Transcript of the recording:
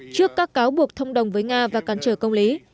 trước các cáo buộc thông đồng với nga và cản trở công lý